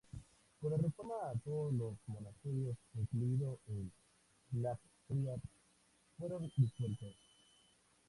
Con la reforma, todos los monasterios, incluido el Blackfriars, fueron disueltos.